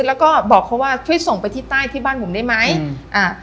แล้วก็บอกเขาว่าช่วยส่งไปที่ใต้ที่บ้านผมได้ไหมอืมอ่า